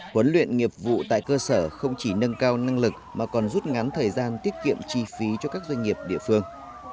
huấn luyện nghiệp vụ tại cơ sở không chỉ nâng cao năng lực mà còn rút ngắn thời gian tiết kiệm chi phí cho các doanh nghiệp địa phương